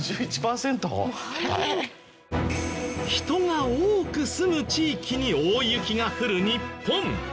人が多く住む地域に大雪が降る日本。